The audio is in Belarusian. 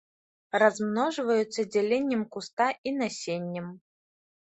Размножваюцца дзяленнем куста і насеннем.